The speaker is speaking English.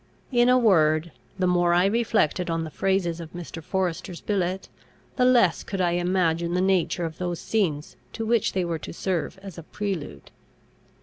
In a word, the more I reflected on the phrases of Mr. Forester's billet, the less could I imagine the nature of those scenes to which they were to serve as a prelude.